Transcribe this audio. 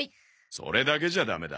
それだけじゃダメだ。